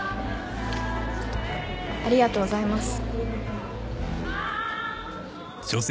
ありがとうございます。